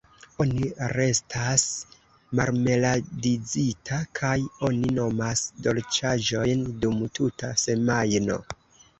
Oni restas marmeladizita kaj oni vomas dolĉaĵojn dum tuta semajno.